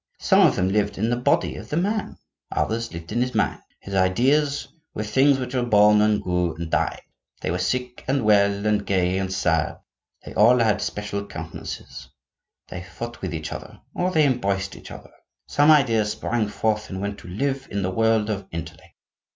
Some of them lived in the body of the man, others lived in his mind. His ideas were things which were born, and grew, and died; they were sick and well, and gay, and sad; they all had special countenances; they fought with each other, or they embraced each other. Some ideas sprang forth and went to live in the world of intellect.